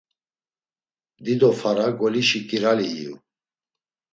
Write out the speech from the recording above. Dido fara golişi ǩirali iyu.